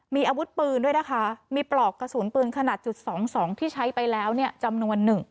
มีอาวุธปืนด้วยนะคะมีปลอกกระสุนปืนขนาดจุด๒๒ที่ใช้ไปแล้วเนี่ยจำนวน๑